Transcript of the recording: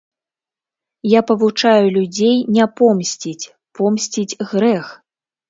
Я павучаю людзей не помсціць, помсціць грэх.